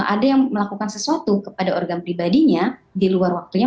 ada yang melakukan sesuatu kepada organ pribadinya di luar waktunya